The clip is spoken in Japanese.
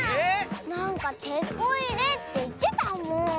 なんかテコいれっていってたもん。